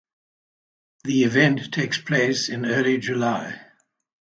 The event takes place in early July.